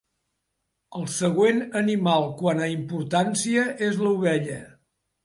El següent animal quant a importància és l'ovella.